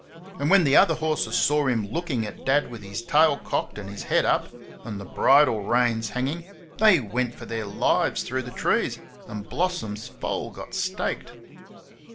And when the other horses saw him looking at Dad with his tail cocked, and his head up, and the bridle reins hanging, they went for their lives through the trees, and Blossom's foal got staked.